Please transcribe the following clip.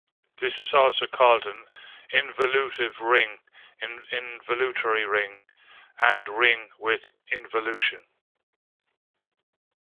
This is also called an involutive ring, involutory ring, and ring with involution.